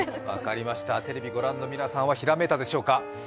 テレビをご覧の皆さんはひらめいたでしょうか？